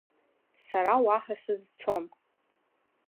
Сара уаҳа сызцом…